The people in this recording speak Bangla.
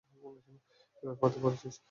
এইবার ফাঁদে পরেছিস।